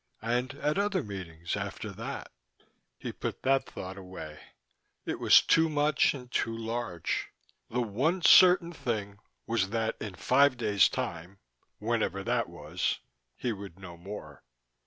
And at other meetings, after that.... He put that thought away: it was too much and too large. The one certain thing was that in five days' time (whenever that was) he would know more.